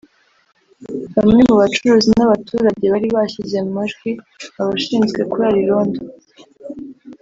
bamwe mu bacuruzi n’abaturage bari bashyize mu majwi abashinzwe kurara irondo